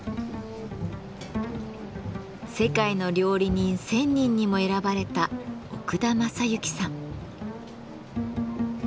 「世界の料理人１，０００人」にも選ばれた奥田政行さん。